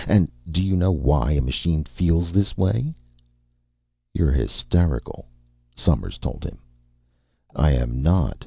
And do you know why a machine feels this way?" "You're hysterical," Somers told him. "I am not.